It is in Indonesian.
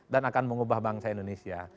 dan akan mengubah bangsa indonesia